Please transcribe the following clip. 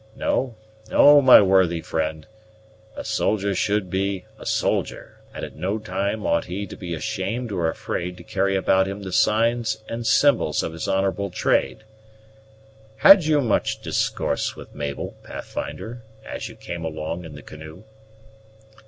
No, no, my worthy friend, a soldier should be a soldier, and at no time ought he to be ashamed or afraid to carry about him the signs and symbols of his honorable trade. Had you much discourse with Mabel, Pathfinder, as you came along in the canoe?"